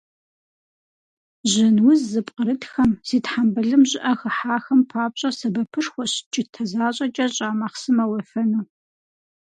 Жьэн уз зыпкърытхэм, зи тхьэмбылым щӀыӀэ хыхьахэм папщӏэ сэбэпышхуэщ кӀытэ защӀэкӀэ щӀа махъсымэ уефэну.